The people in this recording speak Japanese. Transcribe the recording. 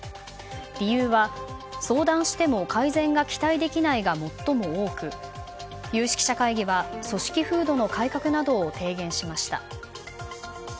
理由は、相談しても改善が期待できないが最も多く有識者会議は、組織風土の改革などを提言しました。